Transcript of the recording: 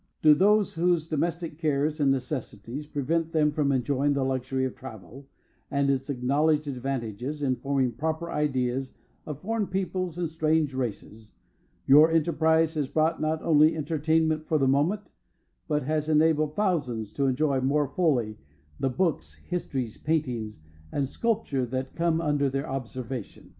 To those whose domestic cares and necessities prevent them enjoying the luxury of travel and its acknowledged advantages in forming proper ideas of foreign peoples and strange races, your enterprise has brought not only entertainment for the moment, but has enabled thousands to enjoy more fully the books, histories, paintings, and sculpture that come under their observation.